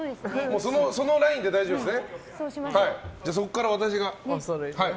そのラインで大丈夫ですね。